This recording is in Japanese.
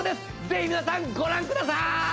ぜひ皆さんご覧くださーい！